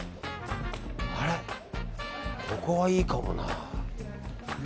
ここはいいかもな。